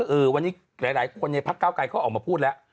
เออวันนี้หลายคนในพักเก้าไกรเขาออกมาพูดแล้ว